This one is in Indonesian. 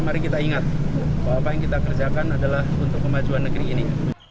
mari kita ingat bahwa apa yang kita kerjakan adalah untuk kemajuan negeri ini